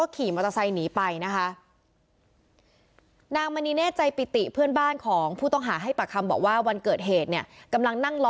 ออกจากบ้านไปรวดเร็วเลยค่ะ